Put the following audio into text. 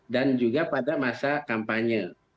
juga pada masa kampanye